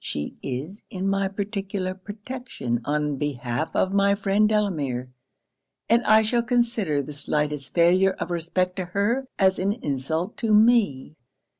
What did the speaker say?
She is in my particular protection on behalf of my friend Delamere, and I shall consider the slightest failure of respect to her as an insult to me.